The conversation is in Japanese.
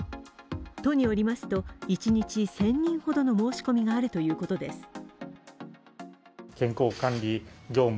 都によりますと、一日１０００人ほどの申し込みがあるということです。